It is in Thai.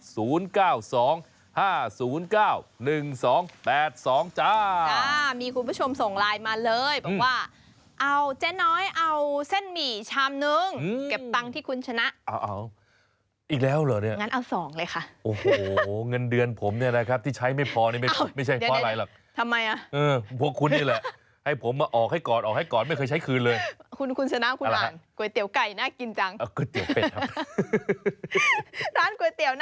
ศูนย์เก้าสองห้าศูนย์เก้าหนึ่งสองแปดสองจ้าจ้ามีคุณผู้ชมส่งไลน์มาเลย